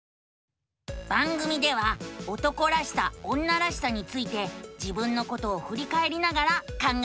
番組では「男らしさ女らしさ」について自分のことをふりかえりながら考えているのさ。